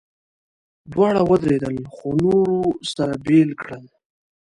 دواړه ودرېدل، خو نورو سره بېل کړل.